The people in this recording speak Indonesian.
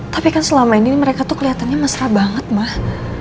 tapi kan selama ini mereka tuh kelihatannya mesra banget mah